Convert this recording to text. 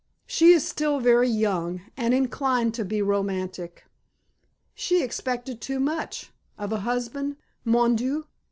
She is still very young, and inclined to be romantic. She expected too much of a husband, mon dieu!